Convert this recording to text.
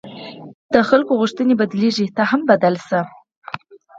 د خلکو غوښتنې بدلېږي، ته هم بدلېږه.